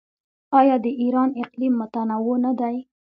آیا د ایران اقلیم متنوع نه دی؟